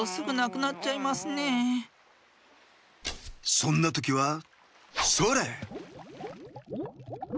そんなときはそれ！